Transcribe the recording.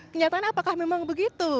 kenyataan apakah memang begitu